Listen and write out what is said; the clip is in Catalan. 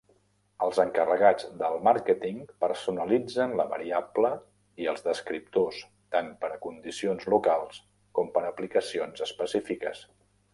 Els encarregats del màrqueting personalitzen la variable i els descriptors tant per a condicions locals com per a aplicacions específiques.